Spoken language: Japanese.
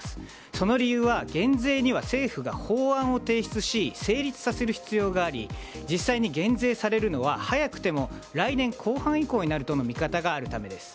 その理由は、減税には政府が法案を提出し成立させる必要があり実際に減税されるのは早くても来年後半以降になるとの見方があるためです。